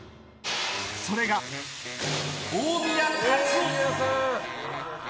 それが、大宮勝雄。